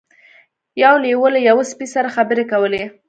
یو لیوه له یوه سپي سره خبرې کولې.